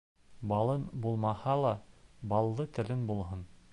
Балын булмаһа ла, баллы телең булһын.